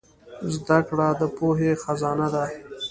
زدهکړه د پوهې خزانه ده.